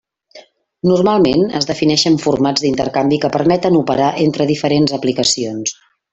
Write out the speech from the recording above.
Normalment, es defineixen formats d'intercanvi que permeten operar entre diferents aplicacions.